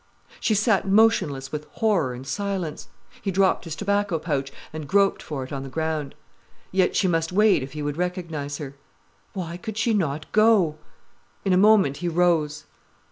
She sat motionless with horror and silence. He dropped his tobacco pouch, and groped for it on the ground. Yet she must wait if he would recognize her. Why could she not go! In a moment he rose.